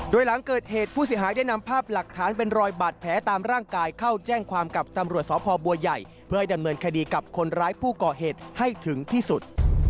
โดยหลังเกิดเหตุผู้เสียหายได้นำภาพหลักฐานเป็นรอยบาดแผลตามร่างกายเข้าแจ้งความกับตำรวจสพบัวใหญ่เพื่อให้ดำเนินคดีกับคนร้ายผู้ก่อเหตุให้ถึงที่สุด